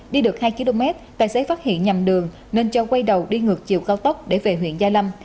đi được hai km tài xế phát hiện nhầm đường nên cho quay đầu đi ngược chiều cao tốc để về huyện gia lâm